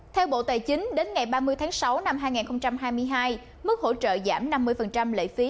theo bộ tài chính đến ngày ba mươi tháng sáu năm hai nghìn hai mươi hai mức hỗ trợ giảm năm mươi lệ phí